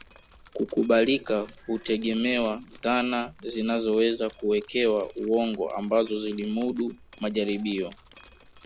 Kukubalika hutegemea dhana zinazoweza kuwekewa uongo ambazo zilimudu majaribio